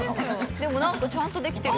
でもなんかちゃんとできてる。